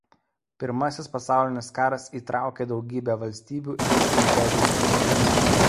Pirmasis pasaulinis karas įtraukė daugybę valstybių ir imperijų.